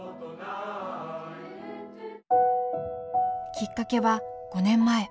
きっかけは５年前。